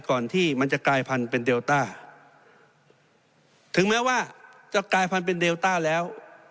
ก่อนที่มันจะกลายพันธุ์เป็นเดลต้าถึงแม้ว่าจะกลายพันธุเป็นเดลต้าแล้ว